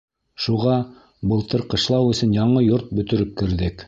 Шуға былтыр ҡышлау өсөн яңы йорт бөтөрөп керҙек.